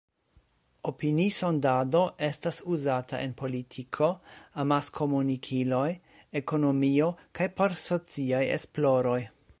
Opini-sondado estas uzata en politiko, amas-komunikiloj, ekonomio kaj por sociaj esploroj.